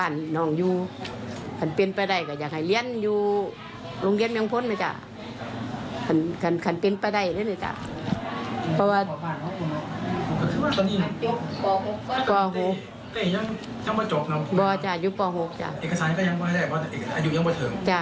อันดูยังไม่เทิง